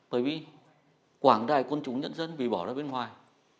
bởi vì quảng đài quân chúng nhân dân bị bỏ ra bên ngoài